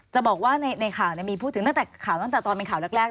จะบอกว่าในข่าวมีพูดถึงตั้งแต่ข่าวตั้งแต่ตอนเป็นข่าวแรก